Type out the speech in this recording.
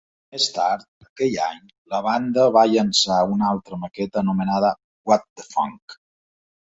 Més tard aquell any la banda va llançar una altra maqueta anomenada "What the Funk".